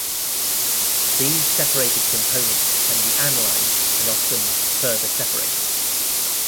These separated components can be analyzed and often further separated.